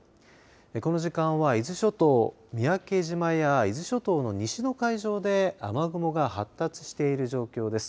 この時間は伊豆諸島、三宅島や伊豆諸島の西の海上で雨雲が発達している状況です。